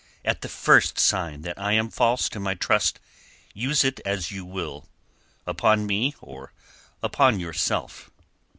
At the first sign that I am false to my trust, use it as you will—upon me or upon yourself."